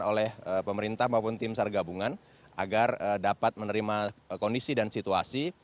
oleh pemerintah maupun tim sargabungan agar dapat menerima kondisi dan situasi